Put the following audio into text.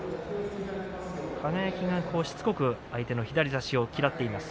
輝がしつこく相手の左差しを嫌っています。